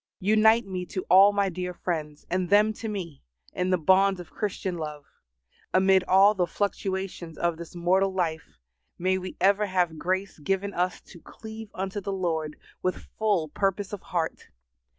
Unite me to all my dear friends, and them to me, in the bonds of Christian love. Amid all the fluctuations of this mortal life, may we ever have grace given us to cleave unto the Lord with full purpose of heart.